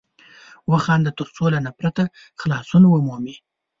وخانده تر څو له نفرته خلاصون ومومې!